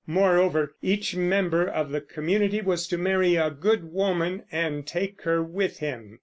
Moreover, each member of the community was to marry a good woman, and take her with him.